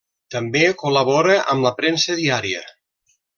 També col·labora amb la premsa diària.